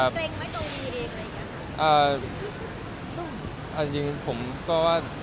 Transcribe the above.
เป็นเกรงไหมตัววีเอง